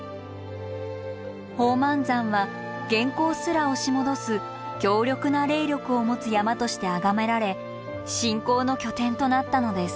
宝満山は元寇すら押し戻す強力な霊力を持つ山としてあがめられ信仰の拠点となったのです。